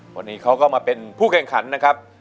วันนี้เขาก็มาเป็นผู้แข่งขันนะครับ